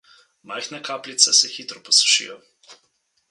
Majhne kapljice se hitro posušijo.